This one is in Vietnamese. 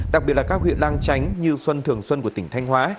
đặc biệt là các huyện lang chánh như xuân thường xuân của tỉnh thanh hóa